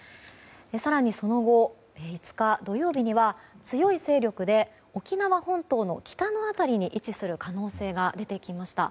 更に、その後５日土曜日には強い勢力で沖縄本島の北の辺りに位置する可能性が出てきました。